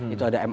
itu ada mrt